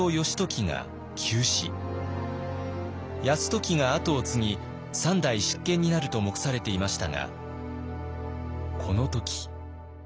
泰時が跡を継ぎ３代執権になると目されていましたがこの時。